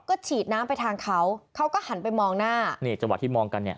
ก็ฉีดน้ำไปทางเขาเขาก็หันไปมองหน้านี่จังหวะที่มองกันเนี่ย